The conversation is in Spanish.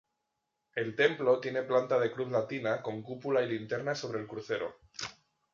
El templo tiene planta de cruz latina con cúpula y linterna sobre el crucero.